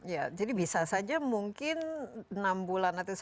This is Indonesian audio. ya jadi bisa saja mungkin enam bulan nanti saya lihat